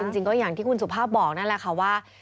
จริงก็อย่างที่คุณสุภาพบอกนั่นแหละค่ะว่า